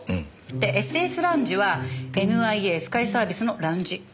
でＳＳラウンジはＮＩＡスカイサービスのラウンジ。